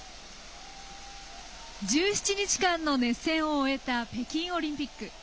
１７日間の熱戦を終えた北京オリンピック。